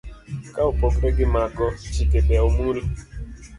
Ka opogore gi mago, chike be omul.